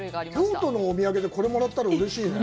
京都のお土産でこれをもらったらうれしいね。